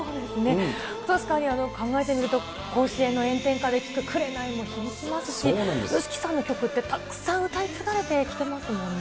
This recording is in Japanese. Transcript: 確かに考えてみると、甲子園の炎天下で聞く紅も響きますし、ＹＯＳＨＩＫＩさんの曲って、たくさん歌い継がれてきてますもんね。